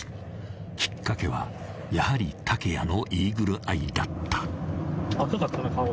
［きっかけはやはり竹谷のイーグルアイだった］